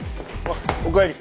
おかえり。